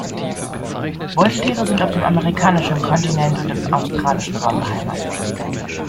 Beuteltiere sind auf dem amerikanischen Kontinent und im australischen Raum beheimatet.